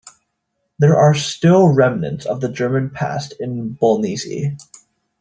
There are still remnants of the German past in Bolnisi.